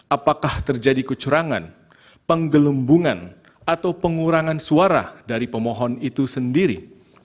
apakah terjadi kecurangan penggelembungan atau pengurangan suara dari pemohon itu sendiri